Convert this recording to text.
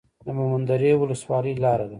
د مومند درې ولسوالۍ لاره ده